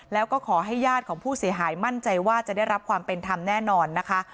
แล้วก็ขอให้ญาติของผู้เสียหายมั่นใจว่าจะได้รับความเป็นธรรมแน่นอนนะคะ